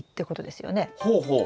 ほうほう。